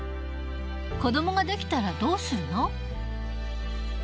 子どもが出来たらどうするの？